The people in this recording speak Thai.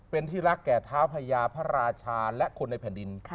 เป็นที่รักแก่เท้าพญาพระราชาและคนในแผ่นดิน